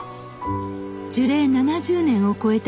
樹齢７０年を超えた